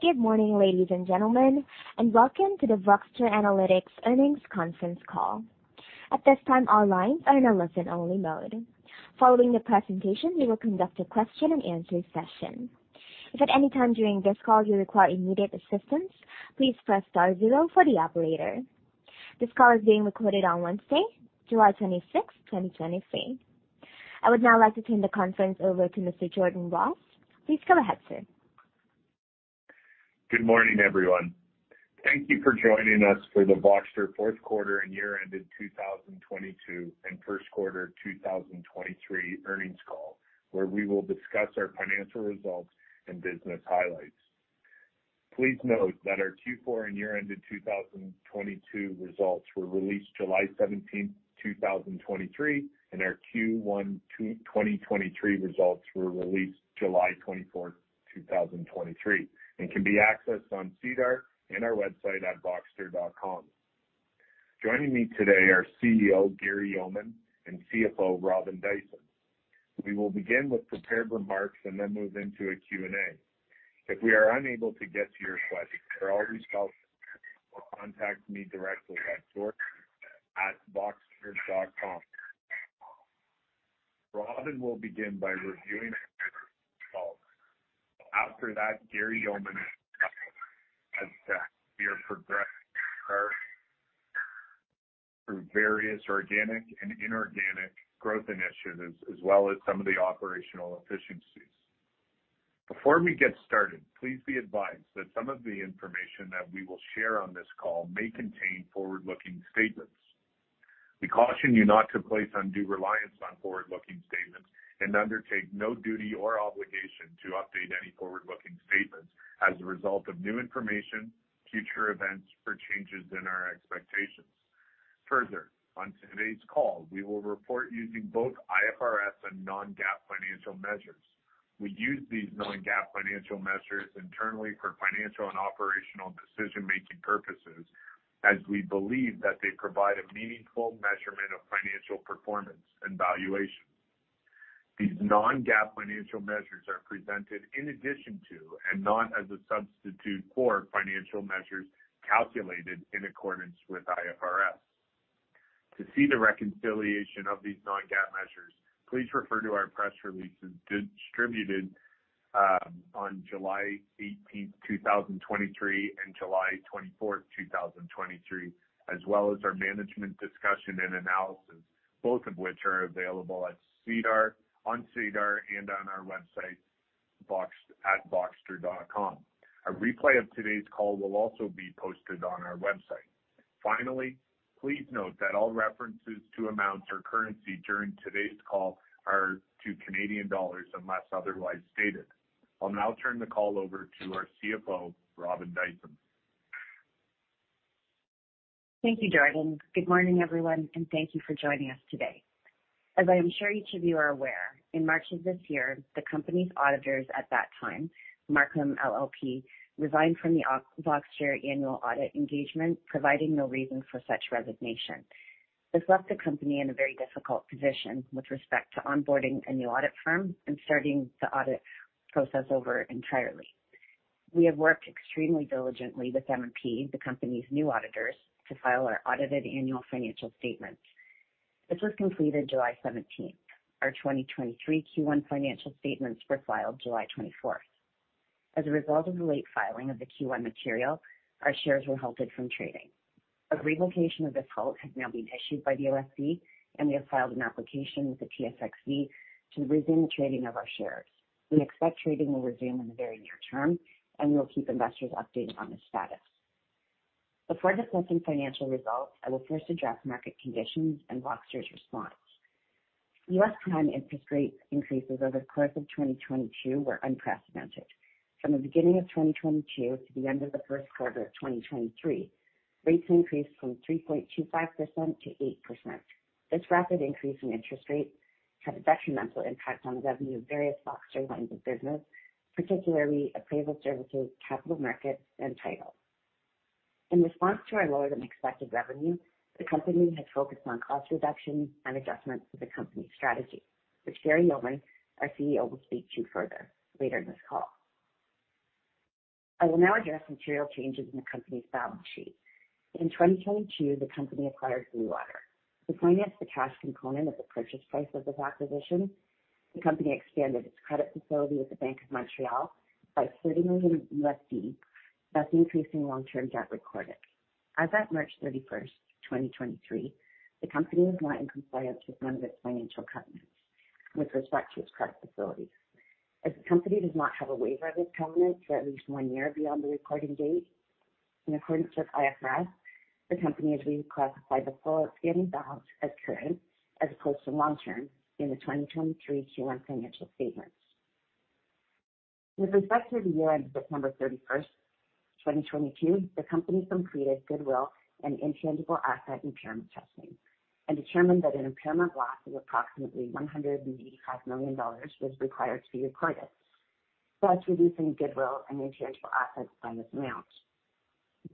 Good morning, ladies and gentlemen, welcome to the Voxtur Analytics Earnings Conference Call. At this time, all lines are in a listen-only mode. Following the presentation, we will conduct a question-and-answer session. If at any time during this call you require immediate assistance, please press star-zero for the operator. This call is being recorded on Wednesday, July 26th, 2023. I would now like to turn the conference over to Mr. Jordan Ross. Please go ahead, sir. Good morning, everyone. Thank you for joining us for the Voxtur fourth quarter and year-ended 2022 and first quarter 2023 earnings call, where we will discuss our financial results and business highlights. Please note that our Q4 and year-ended 2022 results were released July 17th, 2023, and our Q1 2023 results were released July 24th, 2023, and can be accessed on SEDAR and our website at voxtur.com. Joining me today are CEO, Gary Yeoman, and CFO, Robin Dyson. We will begin with prepared remarks and then move into a Q&A. If we are unable to get to your question, you can always call or contact me directly at jordan@voxtur.com. Robin will begin by reviewing results. After that, Gary Yeoman... assess your progress through various organic and inorganic growth initiatives, as well as some of the operational efficiencies. Before we get started, please be advised that some of the information that we will share on this call may contain forward-looking statements. We caution you not to place undue reliance on forward-looking statements and undertake no duty or obligation to update any forward-looking statements as a result of new information, future events, or changes in our expectations. Further, on today's call, we will report using both IFRS and non-GAAP financial measures. We use these non-GAAP financial measures internally for financial and operational decision-making purposes, as we believe that they provide a meaningful measurement of financial performance and valuation. These non-GAAP financial measures are presented in addition to, and not as a substitute for, financial measures calculated in accordance with IFRS. To see the reconciliation of these non-GAAP measures, please refer to our press releases distributed on July 18, 2023, and July 24, 2023, as well as our management discussion and analysis, both of which are available on SEDAR and on our website, voxtur.com. A replay of today's call will also be posted on our website. Finally, please note that all references to amounts or currency during today's call are to Canadian dollars, unless otherwise stated. I'll now turn the call over to our CFO, Robin Dyson. Thank you, Jordan. Good morning, everyone, and thank you for joining us today. As I am sure each of you are aware, in March of this year, the company's auditors at that time, Marcum LLP, resigned from the Voxtur annual audit engagement, providing no reason for such resignation. This left the company in a very difficult position with respect to onboarding a new audit firm and starting the audit process over entirely. We have worked extremely diligently with MNP, the company's new auditors, to file our audited annual financial statements. This was completed July seventeenth. Our 2023 Q1 financial statements were filed July twenty-fourth. As a result of the late filing of the Q1 material, our shares were halted from trading. A revocation of this halt has now been issued by the OSC, and we have filed an application with the TSXV to resume the trading of our shares. We expect trading will resume in the very near term, and we will keep investors updated on the status. Before discussing financial results, I will first address market conditions and Voxtur's response. US prime interest rate increases over the course of 2022 were unprecedented. From the beginning of 2022 to the end of the first quarter of 2023, rates increased from 3.25% to 8%. This rapid increase in interest rates had a detrimental impact on revenue of various Voxtur lines of business, particularly appraisal services, capital markets, and title. In response to our lower-than-expected revenue, the company has focused on cost reductions and adjustments to the company's strategy, which Gary Yeoman, our CEO, will speak to further later in this call. I will now address material changes in the company's balance sheet. In 2022, the company acquired Blue Water. To finance the cash component of the purchase price of this acquisition, the company expanded its credit facility with the Bank of Montreal by $30,000,000, thus increasing long-term debt recorded. As at March 31, 2023, the company is not in compliance with one of its financial covenants with respect to its current facility. As the company does not have a waiver of this covenant for at least one year beyond the recording date, in accordance with IFRS, the company has reclassified the full outstanding balance as current, as opposed to long term in the 2023 Q1 financial statements. With respect to the year-end, December thirty-first, 2022, the company completed goodwill and intangible asset impairment testing and determined that an impairment loss of approximately $185,000,000 was required to be recorded, thus reducing goodwill and intangible assets by this amount.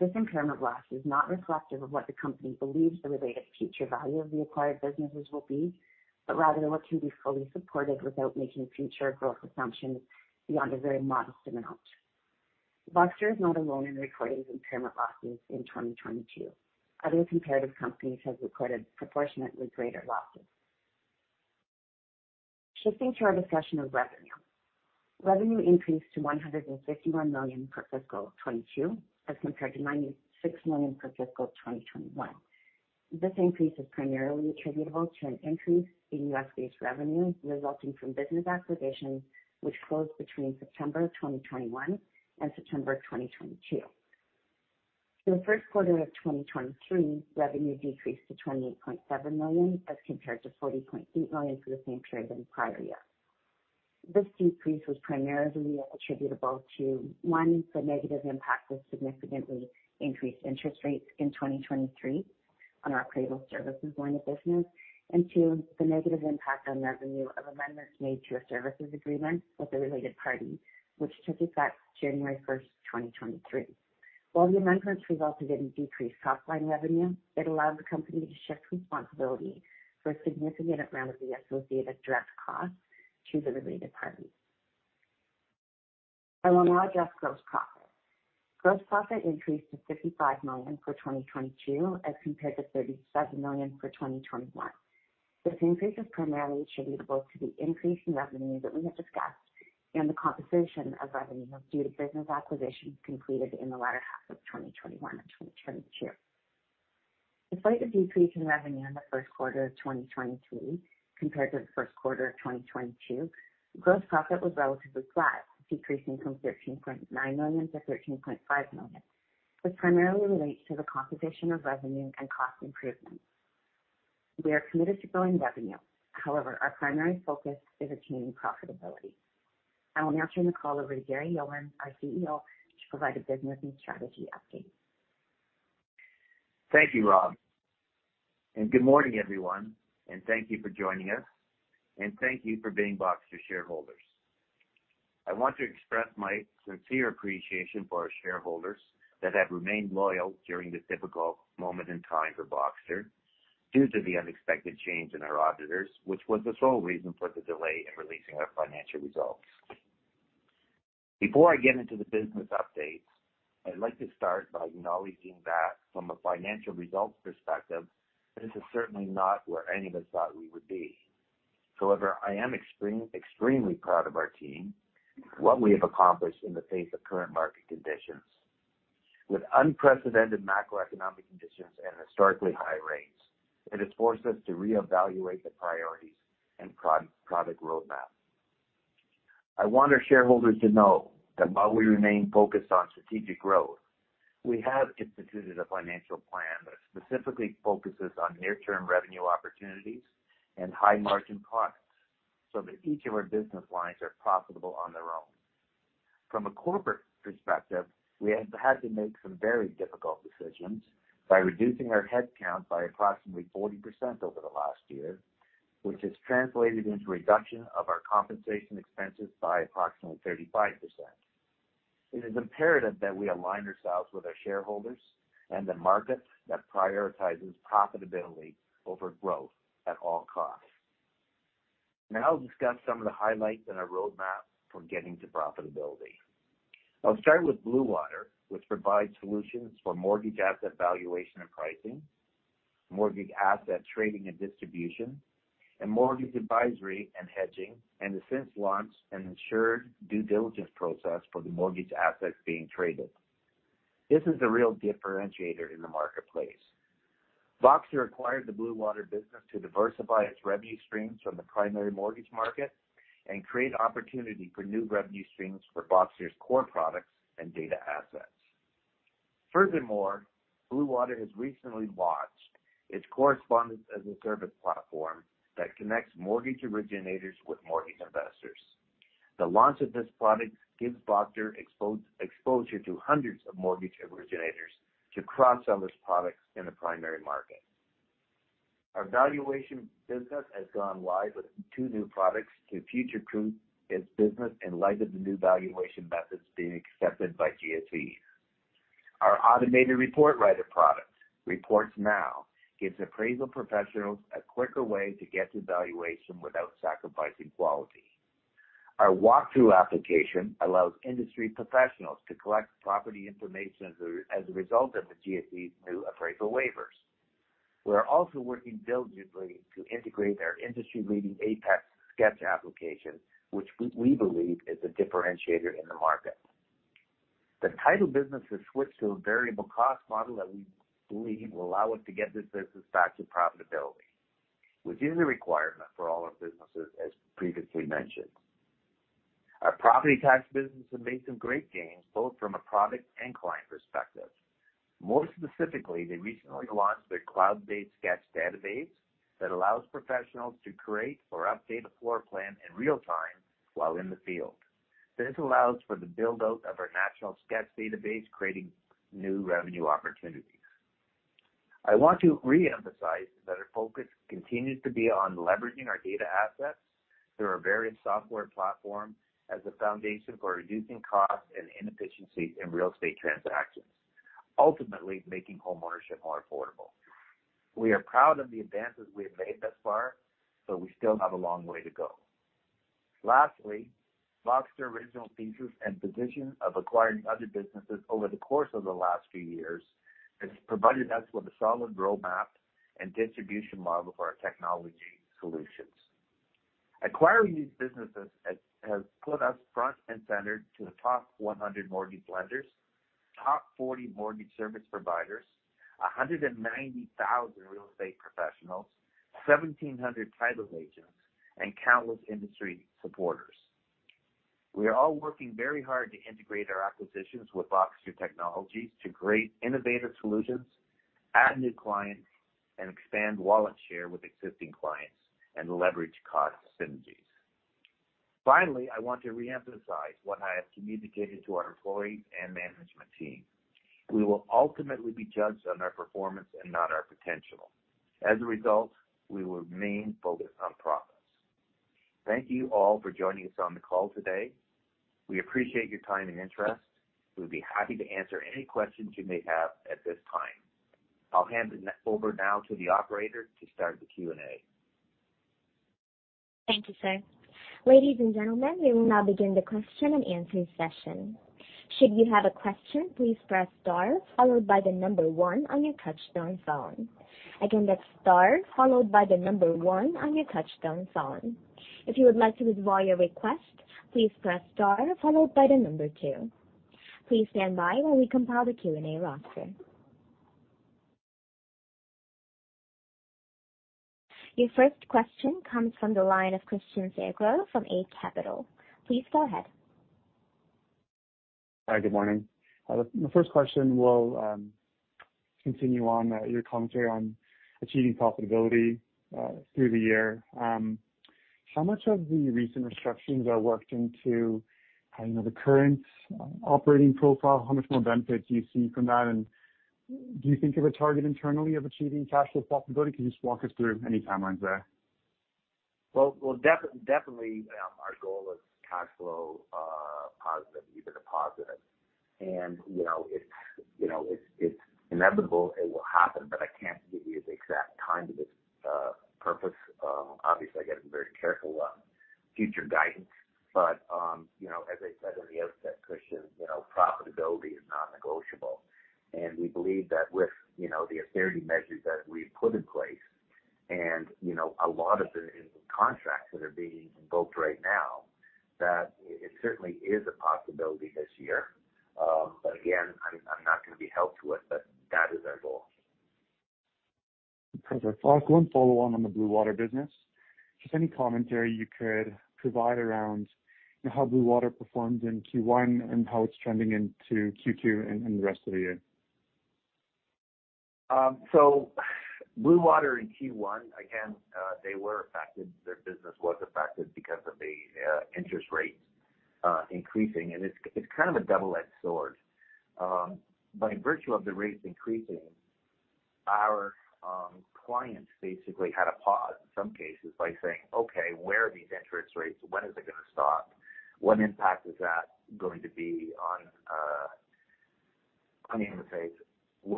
This impairment loss is not reflective of what the company believes the related future value of the acquired businesses will be, but rather what can be fully supported without making future growth assumptions beyond a very modest amount. Voxtur is not alone in recording impairment losses in 2022. Other comparative companies have recorded proportionately greater losses. Shifting to our discussion of revenue. Revenue increased to $151,000,000 for fiscal 2022, as compared to $96,000,000 for fiscal 2021. This increase is primarily attributable to an increase in U.S.-based revenue resulting from business acquisitions, which closed between September 2021 and September 2022. In the first quarter of 2023, revenue decreased to $28,700,000, as compared to $40,800,000 for the same period in the prior year. This decrease was primarily attributable to, 1, the negative impact of significantly increased interest rates in 2023 on our appraisal services line of business. 2, the negative impact on revenue of amendments made to a services agreement with a related party, which took effect January first, 2023. While the amendments resulted in decreased top-line revenue, it allowed the company to shift responsibility for a significant amount of the associated direct costs to the related party. I will now address gross profit. Gross profit increased to $55,000,000 for 2022, as compared to $37,000,000 for 2021. This increase is primarily attributable to the increase in revenue that we have discussed and the composition of revenue due to business acquisitions completed in the latter half of 2021 and 2022. Despite the decrease in revenue in the first quarter of 2023 compared to the first quarter of 2022, gross profit was relatively flat, decreasing from $13,900,000- $13,500,000. This primarily relates to the composition of revenue and cost improvements. We are committed to growing revenue. Our primary focus is attaining profitability. I will now turn the call over to Gary Yeoman, our CEO, to provide a business and strategy update. Thank you, Rob. Good morning, everyone. Thank you for joining us. Thank you for being Voxtur shareholders. I want to express my sincere appreciation for our shareholders that have remained loyal during this difficult moment in time for Voxtur due to the unexpected change in our auditors, which was the sole reason for the delay in releasing our financial results. Before I get into the business updates, I'd like to start by acknowledging that from a financial results perspective, this is certainly not where any of us thought we would be. I am extremely proud of our team, what we have accomplished in the face of current market conditions. With unprecedented macroeconomic conditions and historically high rates, it has forced us to reevaluate the priorities and product roadmap. I want our shareholders to know that while we remain focused on strategic growth, we have instituted a financial plan that specifically focuses on near-term revenue opportunities and high-margin products so that each of our business lines are profitable on their own. From a corporate perspective, we have had to make some very difficult decisions by reducing our headcount by approximately 40% over the last year, which has translated into a reduction of our compensation expenses by approximately 35%. It is imperative that we align ourselves with our shareholders and the market that prioritizes profitability over growth at all costs. I'll discuss some of the highlights in our roadmap for getting to profitability. I'll start with Blue Water, which provides solutions for mortgage asset valuation and pricing, mortgage asset trading and distribution, and mortgage advisory and hedging, and has since launched an insured due diligence process for the mortgage assets being traded. This is a real differentiator in the marketplace. Voxtur acquired the Blue Water business to diversify its revenue streams from the primary mortgage market and create opportunity for new revenue streams for Voxtur's core products and data assets. Furthermore, Blue Water has recently launched its Correspondent-as-a-Service platform that connects mortgage originators with mortgage investors. The launch of this product gives Voxtur exposure to hundreds of mortgage originators to cross-sell its products in the primary market. Our valuation business has gone live with two new products to future-proof its business in light of the new valuation methods being accepted by GSE. Our automated report writer product, Reports Now, gives appraisal professionals a quicker way to get to valuation without sacrificing quality. Our walkthrough application allows industry professionals to collect property information as a result of the GSE's new appraisal waivers. We are also working diligently to integrate our industry-leading Apex sketch application, which we believe is a differentiator in the market. The title business has switched to a variable cost model that we believe will allow us to get this business back to profitability, which is a requirement for all our businesses, as previously mentioned. Our property tax business has made some great gains, both from a product and client perspective. More specifically, they recently launched their cloud-based sketch database that allows professionals to create or update a floor plan in real time while in the field. This allows for the build-out of our national sketch database, creating new revenue opportunities. I want to reemphasize that our focus continues to be on leveraging our data assets through our various software platform as a foundation for reducing costs and inefficiencies in real estate transactions, ultimately making homeownership more affordable. We are proud of the advances we have made thus far. We still have a long way to go. Lastly, Voxtur original thesis and position of acquiring other businesses over the course of the last few years, has provided us with a solid roadmap and distribution model for our technology solutions. Acquiring these businesses has put us front and center to the top 100 mortgage lenders, top 40 mortgage service providers, 190,000 real estate professionals, 1,700 title agents, and countless industry supporters. We are all working very hard to integrate our acquisitions with Voxtur technologies to create innovative solutions, add new clients, and expand wallet share with existing clients and leverage cost synergies. I want to reemphasize what I have communicated to our employees and management team. We will ultimately be judged on our performance and not our potential. We will remain focused on profits. Thank you all for joining us on the call today. We appreciate your time and interest. We'll be happy to answer any questions you may have at this time. I'll hand it over now to the operator to start the Q&A. Thank you, sir. Ladies and gentlemen, we will now begin the question and answer session. Should you have a question, please press star followed by the number one on your touchtone phone. Again, that's star followed by the number one on your touchtone phone. If you would like to withdraw your request, please press star followed by the number two. Please stand by while we compile the Q&A roster. Your first question comes from the line of Christian Sgro from Eight Capital. Please go ahead. Hi, good morning. The first question will continue on your commentary on achieving profitability through the year. How much of the recent restructurings are worked into, I know, the current operating profile? How much more benefit do you see from that? Do you think of a target internally of achieving cash flow profitability? Can you just walk us through any timelines there? Well, definitely, our goal is cash flow positive, EBITDA positive. you know, it's inevitable it will happen, but I can't give you the exact time to this purpose. Obviously, I get very careful on future guidance, you know, as I said on the outset, Christian, profitability is non-negotiable. We believe that with, you know, the austerity measures that we've put in place and, you know, a lot of the contracts that are being invoked right now, that it certainly is a possibility this year. Again, I'm not going to be held to it, but that is our goal. Perfect. I'll go and follow on the Blue Water business. Just any commentary you could provide around, you know, how Blue Water performed in Q1 and how it's trending into Q2 and the rest of the year. Blue Water in Q1, again, they were affected. Their business was affected because of the interest rates increasing, and it's kind of a double-edged sword. By virtue of the rates increasing, our clients basically had a pause in some cases by saying, "Okay, where are these interest rates? When is it going to stop? What impact is that going to be on,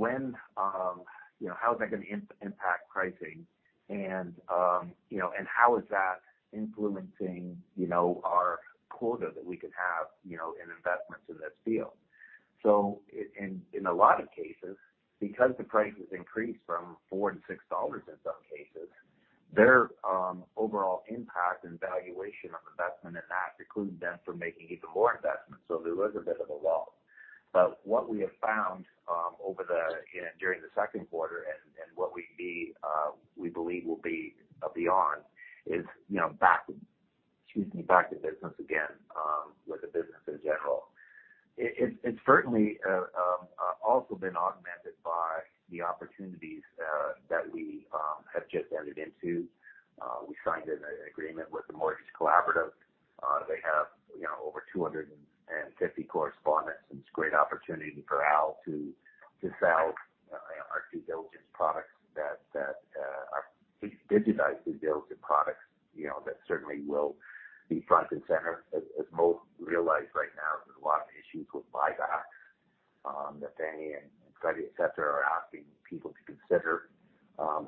When, how is that going to impact pricing? You know, how is that influencing, you know, our quota that we can have, you know, in investments in this field? In a lot of cases, because the prices increased from $4-$6 in some cases, their overall impact and valuation of investment in that, precludes them from making even more investments. What we have found over the, during the second quarter and what we believe will be beyond is, you know, back, excuse me, back to business again with the business in general. It, it's certainly also been augmented by the opportunities that we have just entered into. We signed an agreement with The Mortgage Collaborative. They have, you know, over 250 correspondents, it's a great opportunity for Al to sell our due diligence products that are digitized due diligence products, you know, that certainly will be front and center. As most realize right now, there's a lot of issues with buybacks that Fannie and Freddie, et cetera, are asking people to consider.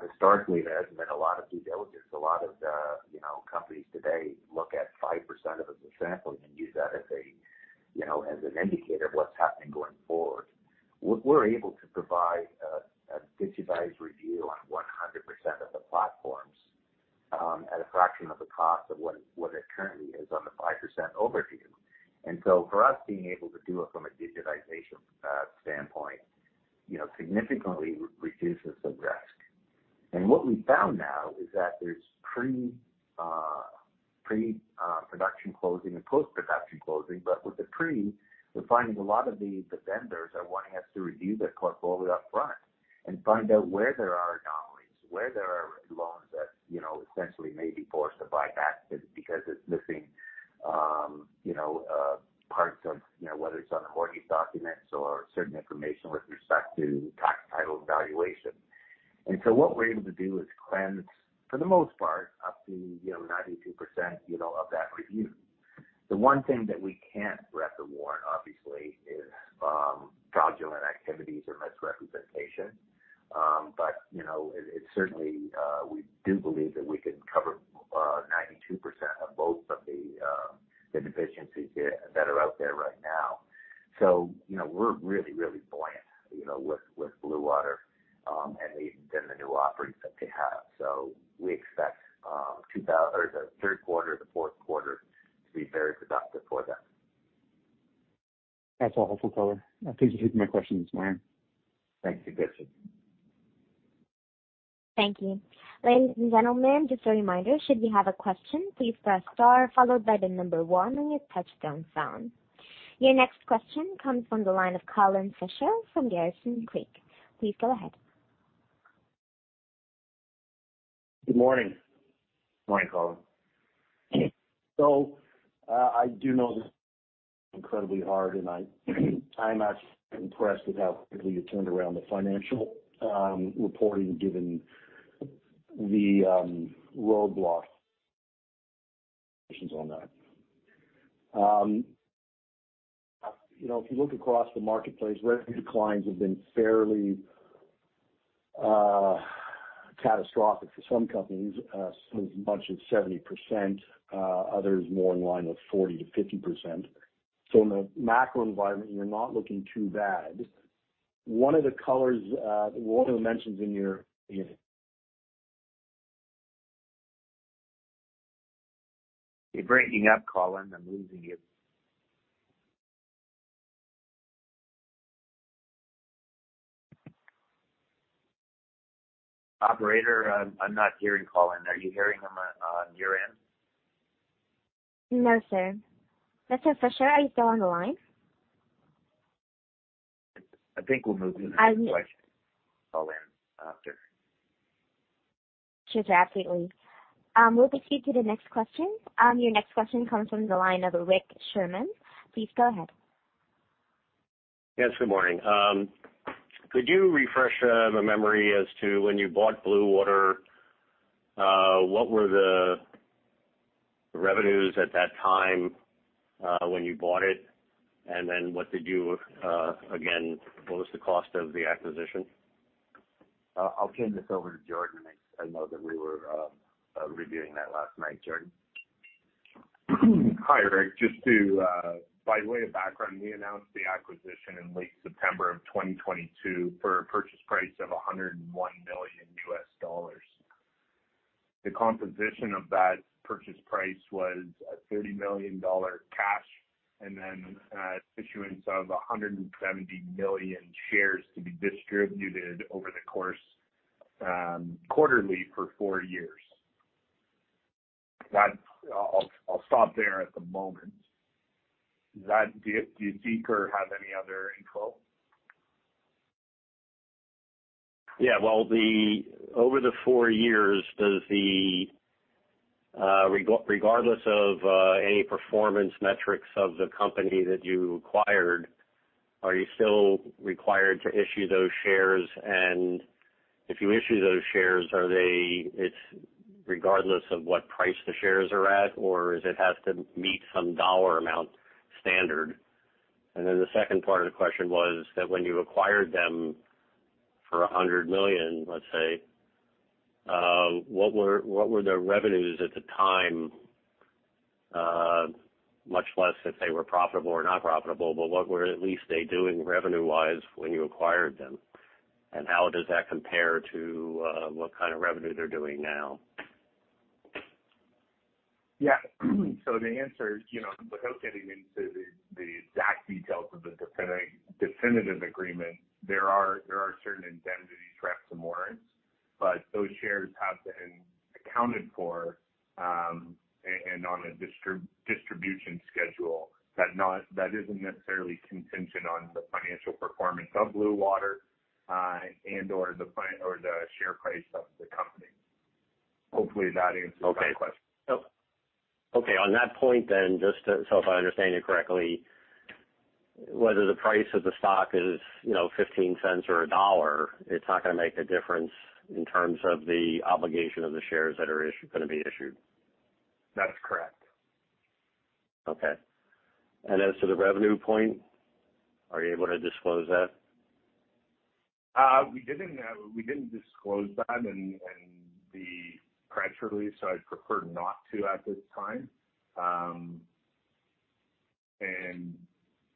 Historically, there hasn't been a lot of due diligence. A lot of the, you know, companies today look at 5% of a sample and use that as an indicator of what's happening going forward. We're able to provide a digitized review on 100% of the platforms at a fraction of the cost of what it currently is on the 5% overview. For us, being able to do it from a digitization standpoint, you know, significantly reduces the risk. What we found now is that there's pre-production closing and post-production closing. With the pre, we're finding a lot of the vendors are wanting us to review their portfolio upfront and find out where there are anomalies, where there are risks. Essentially, may be forced to buy back because it's missing, you know, parts of, you know, whether it's on the mortgage documents or certain information with respect to tax title valuation. What we're able to do is cleanse, for the most part, up to, you know, 92%, you know, of that review. The one thing that we can't write the warrant, obviously, is fraudulent activities or misrepresentation. you know, it certainly, we do believe that we can cover 92% of both of the deficiencies that are out there right now. you know, we're really, really buoyant, you know, with Blue Water, and the new offerings that they have. We expect the 3rd quarter, the 4th quarter to be very productive for them. That's all helpful, Colin. I think you answered my questions, man. Thanks. You're good, sir. Thank you. Ladies and gentlemen, just a reminder, should you have a question, please press Star followed by the number 1 when you touch tone sound. Your next question comes from the line of Colin Fisher from Garrison Creek. Please go ahead. Good morning. Morning, Colin. I do know this incredibly hard, and I'm actually impressed with how quickly you turned around the financial reporting, given the roadblocks on that. You know, if you look across the marketplace, revenue declines have been fairly catastrophic for some companies, as much as 70%, others more in line with 40%-50%. In the macro environment, you're not looking too bad. One of the colors, one of the mentions in your- You're breaking up, Colin. I'm losing you. Operator, I'm not hearing Colin. Are you hearing him on your end? No, sir. Mr. Fisher, are you still on the line? I think we'll move to the next question, Colin, after. Sure, absolutely. We'll proceed to the next question. Your next question comes from the line of Rick Sherman. Please go ahead. Yes, good morning. Could you refresh my memory as to when you bought Blue Water, what were the revenues at that time, when you bought it, Again, what was the cost of the acquisition? I'll turn this over to Jordan. I know that we were reviewing that last night. Jordan? Hi, Rick. Just to by way of background, we announced the acquisition in late September of 2022 for a purchase price of $101,000,000. The composition of that purchase price was a $30,000,000 cash, and then issuance of 170,000,000 shares to be distributed over the course quarterly for four years. I'll stop there at the moment. Do you, Rick, have any other info? Yeah, well, Over the four years, does the regardless of any performance metrics of the company that you acquired, are you still required to issue those shares? If you issue those shares, are they, it's regardless of what price the shares are at, or is it has to meet some dollar amount standard? The second part of the question was that when you acquired them for $100,000,000, let's say, what were their revenues at the time? much less if they were profitable or not profitable, but what were at least they doing revenue-wise when you acquired them? How does that compare to what kind of revenue they're doing now? Yeah. The answer, you know, without getting into the exact details of the definitive agreement, there are certain indemnity reps and warrants. Those shares have been accounted for, and on a distribution schedule that isn't necessarily contingent on the financial performance of Blue Water, and/or the share price of the company. Hopefully, that answers your question. Okay. Okay. On that point then, if I understand you correctly, whether the price of the stock is, you know, $0.15 or $1, it's not gonna make a difference in terms of the obligation of the shares that are gonna be issued. That's correct. Okay. As to the revenue point, are you able to disclose that? We didn't, we didn't disclose that in the press release, so I'd prefer not to at this time.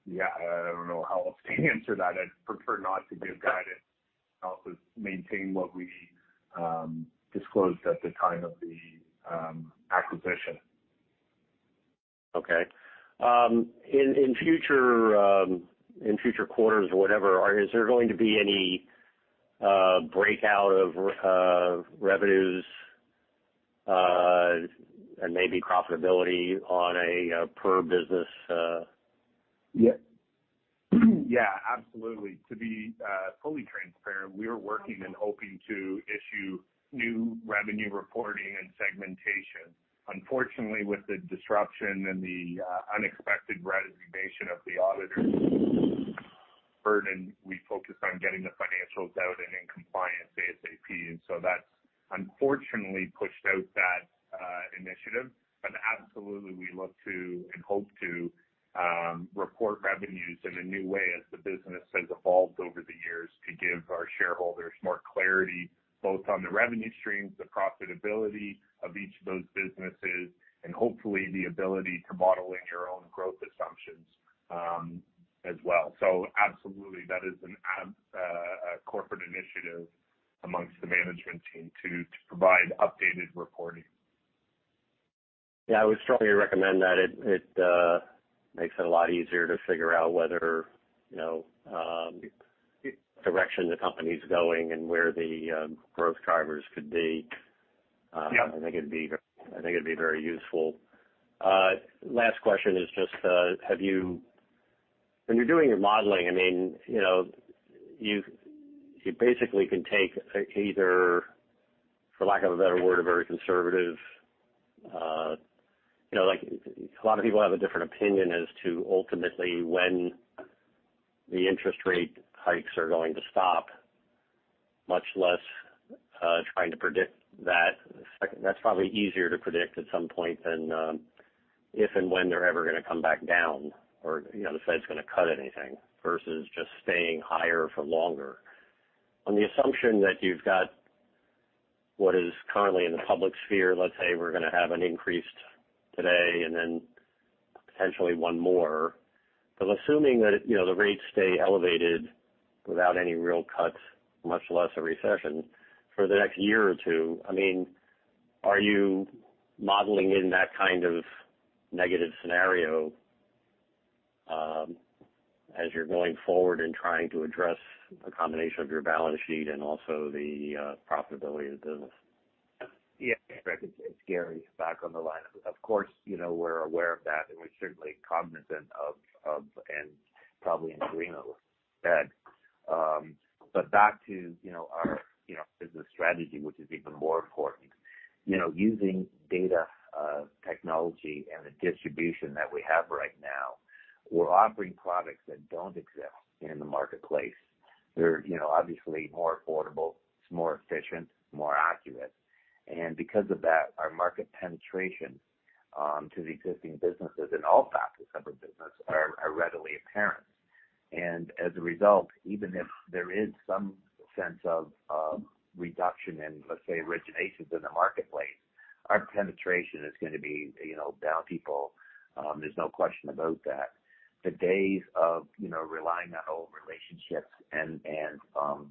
Yeah, I don't know how else to answer that. I'd prefer not to give guidance and also maintain what we disclosed at the time of the acquisition. Okay. In future, in future quarters or whatever, is there going to be any breakout of revenues, and maybe profitability on a per business? Yeah. Yeah, absolutely. To be fully transparent, we are working and hoping to issue new revenue reporting and segmentation. Unfortunately, with the disruption and the unexpected resignation of the auditor, burden, we focused on getting the financials out and in compliance ASAP. That's unfortunately pushed out that initiative. Absolutely, we look to and hope to report revenues in a new way as the business has evolved over the years, to give our shareholders more clarity, both on the revenue streams, the profitability of each of those businesses, and hopefully, the ability to model in your own growth assumptions, as well. Absolutely, that is a corporate initiative amongst the management team to provide updated reporting. Yeah, I would strongly recommend that. It makes it a lot easier to figure out whether, you know, direction the company's going and where the growth drivers could be. Yeah. I think it'd be, I think it'd be very useful. Last question is just, when you're doing your modeling, I mean, you know, you basically can take either, for lack of a better word, a very conservative... You know, like, a lot of people have a different opinion as to ultimately when the interest rate hikes are going to stop, much less trying to predict that. Second, that's probably easier to predict at some point than if and when they're ever gonna come back down or, you know, the Fed's gonna cut anything versus just staying higher for longer. On the assumption that you've got what is currently in the public sphere, let's say we're gonna have an increase today and then potentially 1 more. Assuming that, you know, the rates stay elevated without any real cuts, much less a recession, for the next year or two, I mean, are you modeling in that kind of negative scenario, as you're going forward and trying to address the combination of your balance sheet and also the profitability of the business? Yeah, it's Gary back on the line. Of course, you know, we're aware of that, and we're certainly cognizant of, and probably in agreement with that. Back to, you know, our, you know, business strategy, which is even more important. You know, using data, technology and the distribution that we have right now, we're offering products that don't exist in the marketplace. They're, you know, obviously more affordable, it's more efficient, more accurate. Because of that, our market penetration to the existing businesses in all facets of the business are readily apparent. As a result, even if there is some sense of reduction in, let's say, originations in the marketplace, our penetration is gonna be, you know, down people. There's no question about that. The days of, you know, relying on old relationships and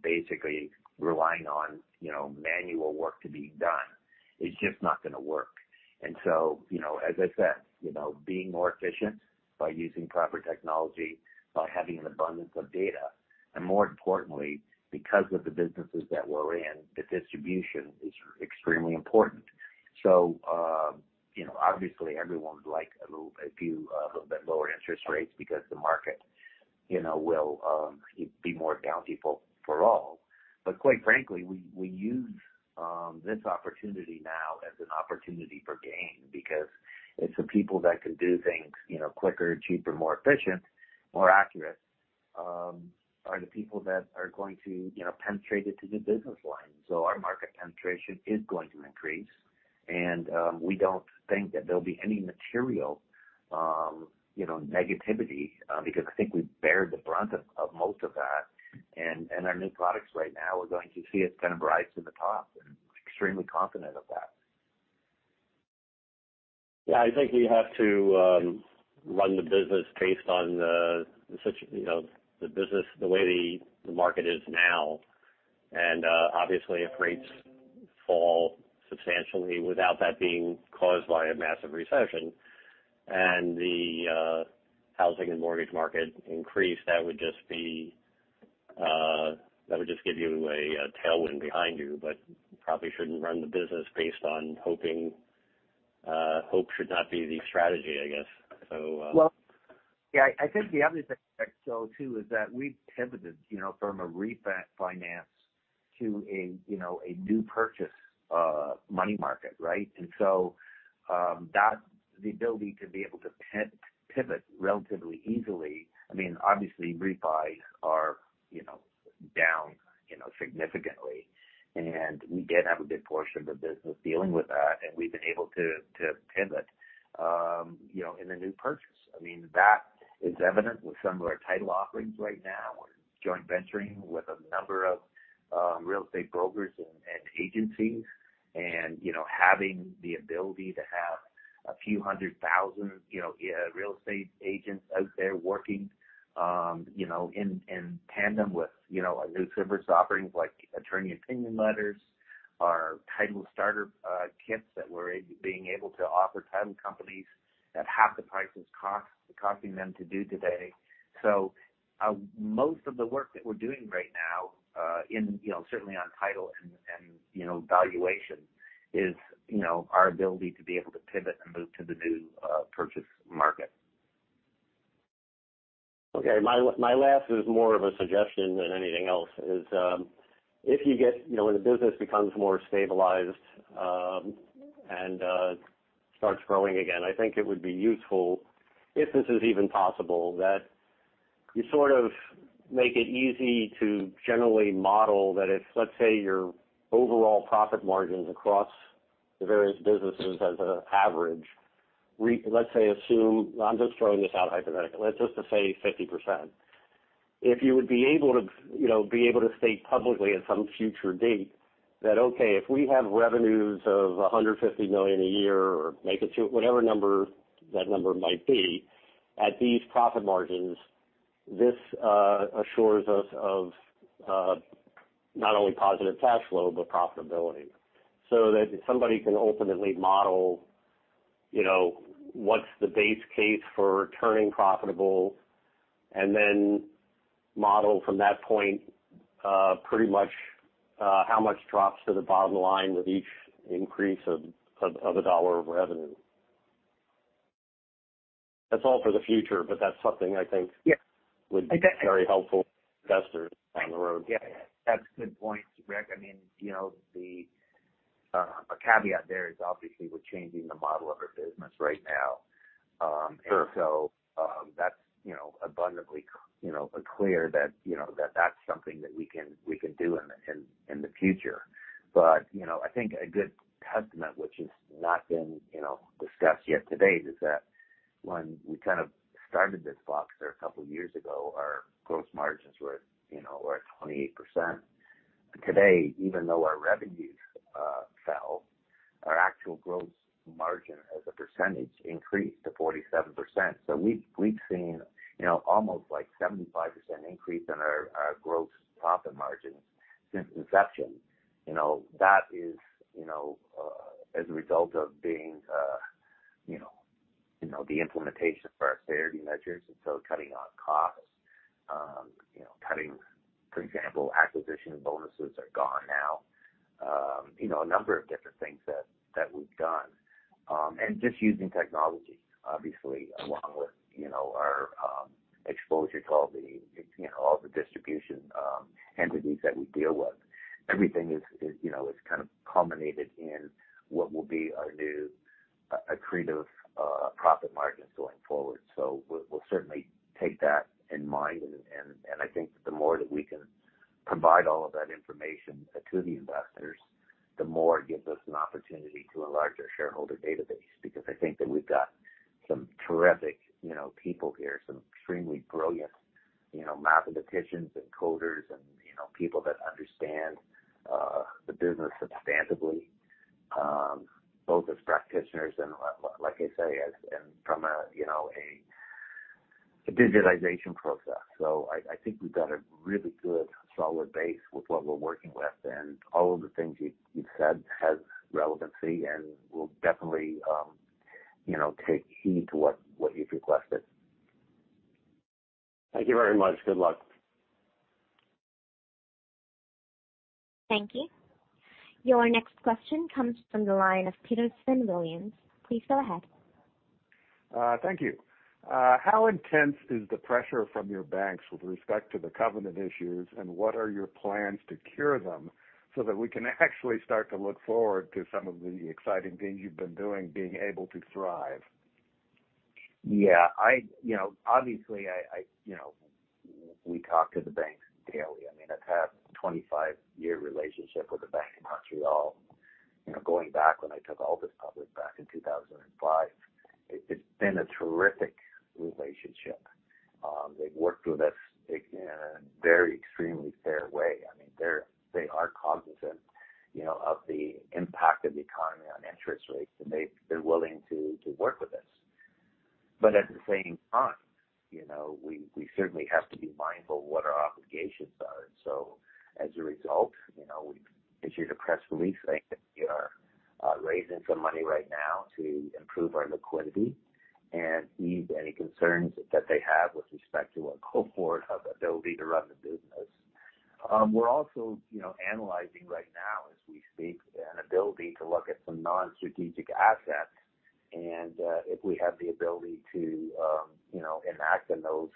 basically relying on, you know, manual work to be done is just not gonna work. You know, as I said, you know, being more efficient by using proper technology, by having an abundance of data, and more importantly, because of the businesses that we're in, the distribution is extremely important. You know, obviously, everyone would like a little bit lower interest rates because the market, you know, will be more bountiful for all. Quite frankly, we use this opportunity now as an opportunity for gain, because it's the people that can do things, you know, quicker, cheaper, more efficient, more accurate, are the people that are going to, you know, penetrate into the business lines. Our market penetration is going to increase, and we don't think that there'll be any material, you know, negativity, because I think we've beared the brunt of most of that. Our new products right now are going to see us kind of rise to the top, and extremely confident of that. Yeah, I think we have to, run the business based on, you know, the way the market is now. Obviously, if rates fall substantially without that being caused by a massive recession, and the housing and mortgage market increase, that would just give you a tailwind behind you, probably shouldn't run the business based on hoping. Hope should not be the strategy, I guess. Well, yeah, I think the other thing, though, too, is that we've pivoted, you know, from a refi finance to a, you know, a new purchase, money market, right? The ability to be able to pivot relatively easily, I mean, obviously, refis are, you know, down, you know, significantly, and we did have a big portion of the business dealing with that, and we've been able to pivot, you know, in the new purchase. I mean, that is evident with some of our title offerings right now. We're joint venturing with a number of real estate brokers and agencies, and, you know, having the ability to have a few 100,000, you know, real estate agents out there working, you know, in tandem with, you know, our new service offerings, like attorney opinion letters, our title starter, kits that we're being able to offer title companies, at half the prices cost, costing them to do today. Most of the work that we're doing right now, in, you know, certainly on title and, you know, valuation is, you know, our ability to be able to pivot and move to the new, purchase market. Okay. My last is more of a suggestion than anything else, is, if you get, you know, when the business becomes more stabilized, and starts growing again, I think it would be useful, if this is even possible, that you sort of make it easy to generally model that if, let's say, your overall profit margins across the various businesses as an average, let's say, assume, I'm just throwing this out hypothetically, let's just say 50%. If you would be able to, you know, be able to state publicly at some future date that, okay, if we have revenues of $150,000,000 a year or make it to whatever number that number might be, at these profit margins, this assures us of not only positive cash flow, but profitability. That if somebody can ultimately model, you know, what's the base case for returning profitable, and then model from that point, pretty much, how much drops to the bottom line with each increase of CAD 1 of revenue. That's all for the future, but that's something I think... Yeah. - would be very helpful to investors down the road. Yeah, that's a good point, Rick. I mean, you know, a caveat there is obviously we're changing the model of our business right now. Sure. That's abundantly clear that that's something that we can do in the future. I think a good testament, which has not been discussed yet today, is that when we kind of started this Voxtur a couple years ago, our gross margins were at 28%. Today, even though our revenues fell, our actual gross margin as a percentage increased to 47%. We've seen almost like 75% increase in our gross profit margins since inception. That is as a result of being the implementation of our austerity measures, cutting on costs, cutting, for example, acquisition bonuses are gone now. You know, a number of different things that we've done. Just using technology, obviously, along with, you know, our exposure to all the, you know, all the distribution entities that we deal with. Everything is, you know, is kind of culminated in what will be our new accretive profit margins going forward. We'll certainly take that in mind, and I think the more that we can provide all of that information to the investors, the more it gives us an opportunity to a larger shareholder database. I think that we've got some terrific, you know, people here, some extremely brilliant, you know, mathematicians and coders and, you know, people that understand the business substantively, both as practitioners and like I say, as, and from a, you know, a digitization process. I think we've got a really good, solid base with what we're working with, and all of the things you said has relevancy, and we'll definitely, you know, take heed to what you've requested. Thank you very much. Good luck. Thank you. Your next question comes from the line of Peterson Williams. Please go ahead. Thank you. How intense is the pressure from your banks with respect to the covenant issues, and what are your plans to cure them so that we can actually start to look forward to some of the exciting things you've been doing, being able to thrive? Yeah, I, you know, obviously, I, you know, we talk to the banks daily. I mean, I've had a 25 year relationship with the Bank of Montreal, you know, going back when I took Altus public back in 2005. It's been a terrific relationship. They've worked with us in a very extremely fair way. I mean, they are cognizant, you know, of the impact of the economy on interest rates, and they're willing to work with us. At the same time, you know, we certainly have to be mindful of what our obligations are. As a result, you know, we've issued a press release saying that we are raising some money right now to improve our liquidity and ease any concerns that they have with respect to our cohort of ability to run the business. We're also, you know, analyzing right now, as we speak, an ability to look at some non-strategic assets, and if we have the ability to, you know, enact on those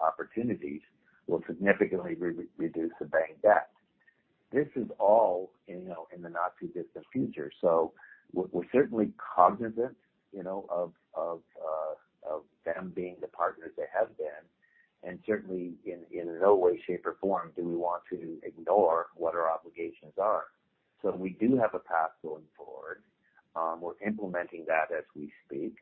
opportunities, we'll significantly reduce the bank debt. This is all, you know, in the not-too-distant future. We're, we're certainly cognizant, you know, of them being the partners they have been, and certainly in no way, shape, or form do we want to ignore what our obligations are. We do have a path going forward. We're implementing that as we speak,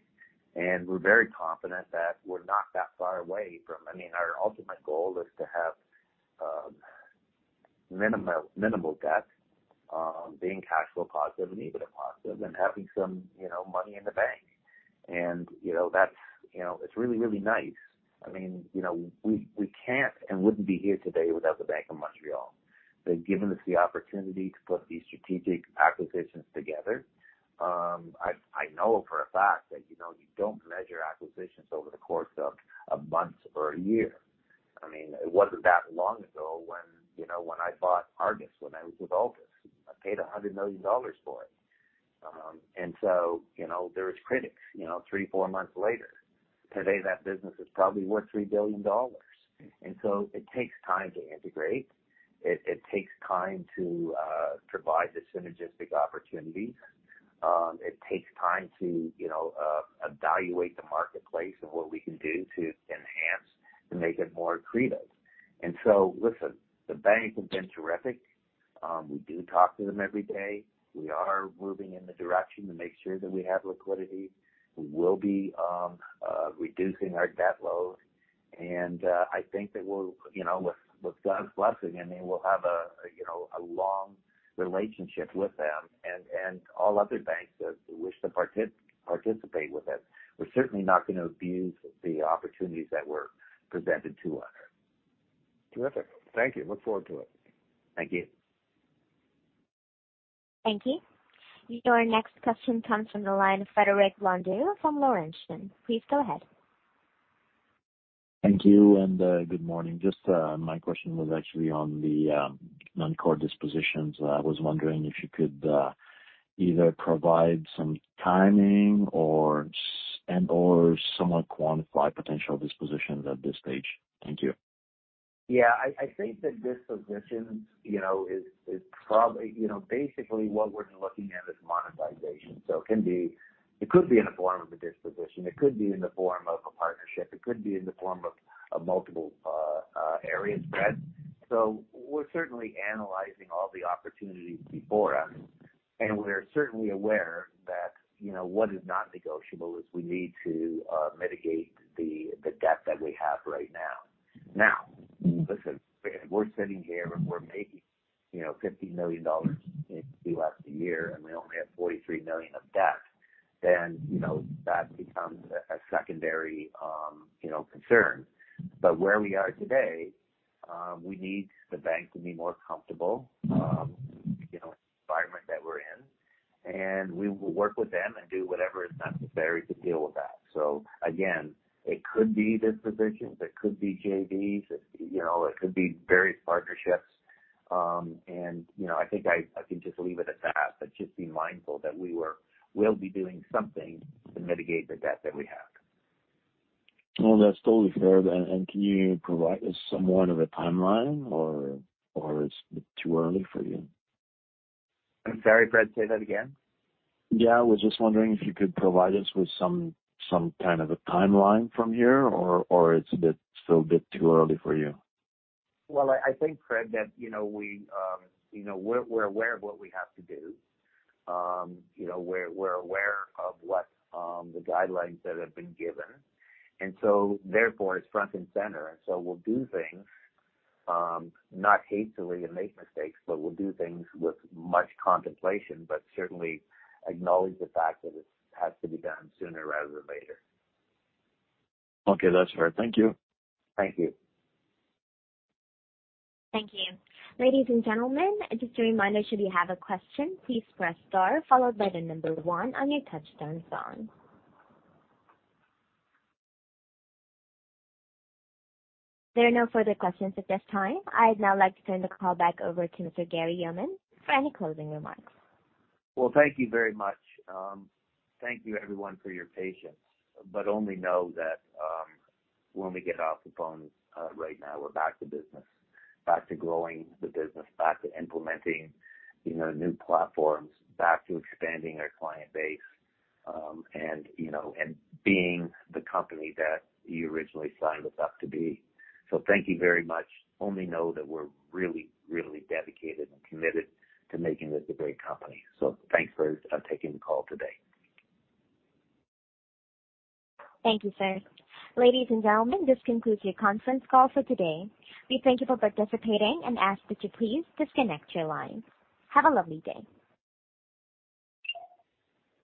and we're very confident that we're not that far away from... I mean, our ultimate goal is to have minimal debt, being cash flow positive and EBITDA positive and having some, you know, money in the bank. You know, that's, you know, it's really, really nice. I mean, you know, we can't and wouldn't be here today without the Bank of Montreal. They've given us the opportunity to put these strategic acquisitions together. I know for a fact that, you know, you don't measure acquisitions over the course of a month or a year. I mean, it wasn't that long ago when, you know, when I bought ARGUS, when I was with Altus, I paid $100,000,000 for it. You know, there was critics, you know, three, four months later. Today, that business is probably worth $3,000,000,000. It takes time to integrate. It takes time to provide the synergistic opportunities. It takes time to, you know, evaluate the marketplace and what we can do to enhance and make it more accretive. Listen, the banks have been terrific. We do talk to them every day. We are moving in the direction to make sure that we have liquidity. We'll be reducing our debt load, and I think that we'll, you know, with God's blessing, I mean, we'll have a, you know, a long relationship with them and all other banks that wish to participate with us. We're certainly not gonna abuse the opportunities that were presented to us. Terrific. Thank you. Look forward to it. Thank you. Thank you. Our next question comes from the line of Frédéric Blondeau from Laurentian. Please go ahead. Thank you, and good morning. Just, my question was actually on the non-core dispositions. I was wondering if you could either provide some timing or, and/or somewhat quantify potential dispositions at this stage. Thank you. Yeah, I think that dispositions, you know, is probably. Basically what we're looking at is monetization. It can be, it could be in the form of a disposition, it could be in the form of a partnership, it could be in the form of multiple areas, Fred. We're certainly analyzing all the opportunities before us, and we're certainly aware that, you know, what is not negotiable is we need to mitigate the debt that we have right now. Now, listen, if we're sitting here and we're making, you know, $50,000,000 in the last year, and we only have $43,000,000 of debt, you know, that becomes a secondary, you know, concern. Where we are today, we need the bank to be more comfortable, you know, in the environment that we're in, and we will work with them and do whatever is necessary to deal with that. Again, it could be dispositions, it could be JVs, it, you know, it could be various partnerships. You know, I think I can just leave it at that, but just be mindful that we'll be doing something to mitigate the debt that we have. Well, that's totally fair. Can you provide us somewhat of a timeline, or is it too early for you? I'm sorry, Fred, say that again? Yeah. I was just wondering if you could provide us with some kind of a timeline from here, or it's a bit, still a bit too early for you? Well, I think, Fred, that, you know, we, you know, we're aware of what we have to do. You know, we're aware of what the guidelines that have been given, therefore it's front and center. We'll do things, not hastily and make mistakes, but we'll do things with much contemplation, but certainly acknowledge the fact that it has to be done sooner rather than later. Okay, that's fair. Thank you. Thank you. Thank you. Ladies and gentlemen, just a reminder, should you have a question, please press star followed by the number one on your touchtone phone. There are no further questions at this time. I'd now like to turn the call back over to Mr. Gary Yeoman for any closing remarks. Well, thank you very much. Thank you everyone for your patience. Only know that, when we get off the phone, right now, we're back to business, back to growing the business, back to implementing, you know, new platforms, back to expanding our client base, and, you know, and being the company that you originally signed us up to be. Thank you very much. Only know that we're really, really dedicated and committed to making this a great company. Thanks for taking the call today. Thank you, sir. Ladies and gentlemen, this concludes your conference call for today. We thank you for participating and ask that you please disconnect your line. Have a lovely day!